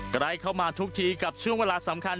ใกล้เข้ามาทุกทีกับช่วงเวลาสำคัญ